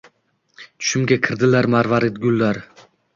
Tushimga kirdilar marvarid gullar.